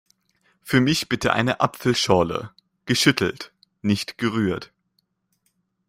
Für mich bitte eine Apfelschorle - geschüttelt, nicht gerührt!